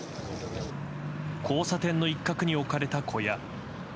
交差点の一角に置かれた小屋。